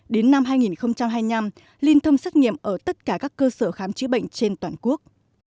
đến năm hai nghìn hai mươi năm liên thông xét nghiệm ở tất cả các cơ sở khám chữa bệnh trên toàn quốc